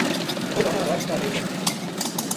گل ہمناں رکھ تا لے چل